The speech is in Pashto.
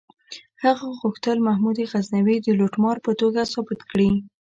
هغه غوښتل محمود غزنوي د لوټمار په توګه ثابت کړي.